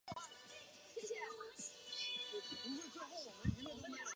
还有那么高的机会被淘汰